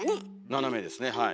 斜めですねはい。